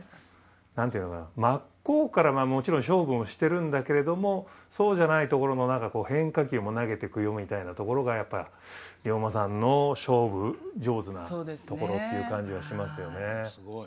何ていうのかな真っ向からもちろん勝負もしてるんだけれどもそうじゃないところの変化球も投げてくよみたいなところがやっぱ龍馬さんの勝負上手なところっていう感じがしますよね